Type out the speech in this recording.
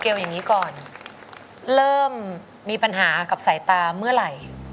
สวัสดีค่ะสสวัสดีค่ะสสวัสดีค่ะส